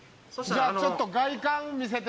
じゃあちょっと。